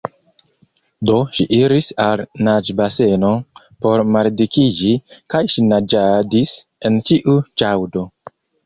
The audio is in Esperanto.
Do ŝi iris al naĝbaseno por maldikiĝi, kaj ŝi naĝadis en ĉiu ĵaŭdo.